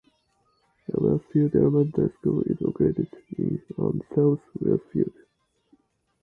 Wheatfield Elementary School is located in and serves Wheatfield.